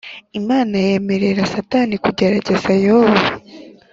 Imana yemerera satani kugerageza Yobu